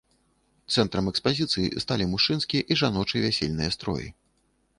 Цэнтрам экспазіцыі сталі мужчынскі і жаночы вясельныя строі.